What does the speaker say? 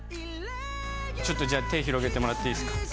ちょっとじゃあ、手を広げてもらっていいですか？